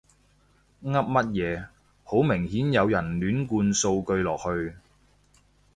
噏乜嘢，好明顯有人亂灌數據落去